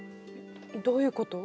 どういうこと？